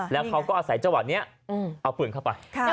แล้วเขาก็อาศัยจังหวะนี้เอาปืนเข้าไป